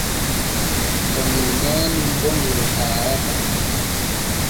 To ŋel nyaami bo ŋel haarataa.